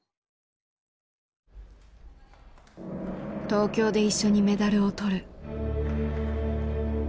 「東京で一緒にメダルを取る」。